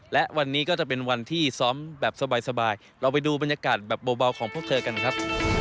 และวันนี้ก็จะเป็นวันที่ซ้อมแบบสบายเราไปดูบรรยากาศแบบเบาของพวกเธอกันครับ